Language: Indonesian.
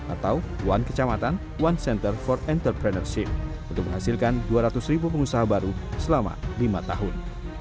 atau one kecamatan one center for entrepreneurship untuk menghasilkan dua ratus ribu pengusaha baru selama lima tahun